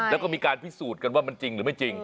แล้วก็มีการพิสูจน์กันว่ามันจริงหรือไม่จริง